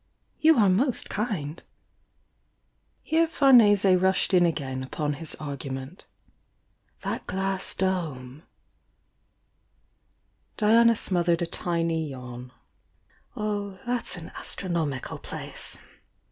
"You are most kind!" Here Famese rushed in again upon his argu ment. "That glass dome " Diana smothered a tiny yawn. "Oh, that's an astronomical place!"